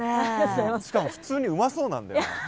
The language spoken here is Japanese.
しかも普通にうまそうなんだよな。